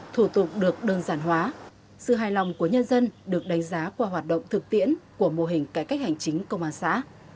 thủ tục được đơn giản hóa sự hài lòng của nhân dân được đánh giá qua hoạt động thực tiễn của mô hình cải cách hành chính công an xã